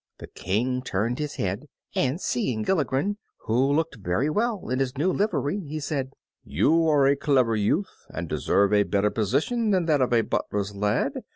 The King turned his head, and seeing Gilligren, who looked very well in his new livery, he said, "You are a clever youth, and deserve a better position than that of a butler's lad.